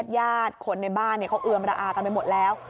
แยดคนในบ้านเขาเอิมรอากันไปหมดแล้ว